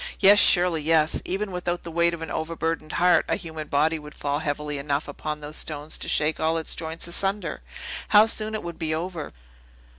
"Yes; surely yes! Even without the weight of an overburdened heart, a human body would fall heavily enough upon those stones to shake all its joints asunder. How soon it would be over!"